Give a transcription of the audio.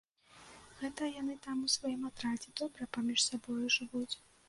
Гэта яны там у сваім атрадзе добра паміж сабою жывуць.